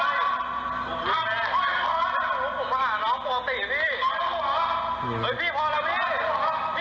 พี่เพื่อนผมไม่ไหวแล้ว